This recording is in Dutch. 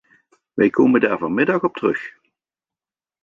Wij komen daar vanmiddag op terug.